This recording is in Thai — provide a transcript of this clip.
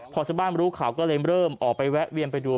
พอชาวบ้านรู้ข่าวก็เลยเริ่มออกไปแวะเวียนไปดู